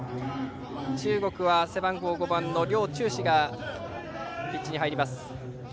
中国は背番号５番の梁仲志がピッチに入ります。